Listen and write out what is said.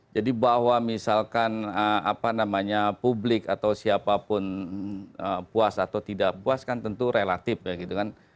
jadi bahwa misalkan apa namanya publik atau siapapun puas atau tidak puas kan tentu relatif ya gitu kan